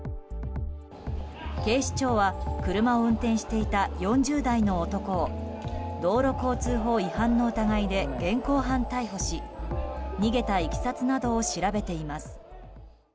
警視庁は車を運転していた４０代の男を道路交通法違反の疑いで現行犯逮捕し逃げたいきさつなどを調べています。